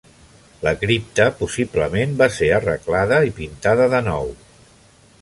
La cripta possiblement va ser arreglada i pintada de nou.